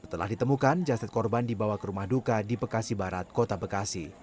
setelah ditemukan jasad korban dibawa ke rumah duka di bekasi barat kota bekasi